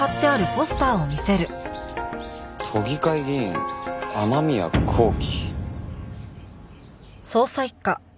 「都議会議員雨宮こうき」